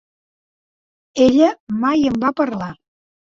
Ella mai en va parlar.